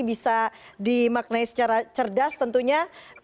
bisa dimaknai secara cerdas tentunya